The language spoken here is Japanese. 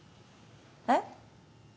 えっ？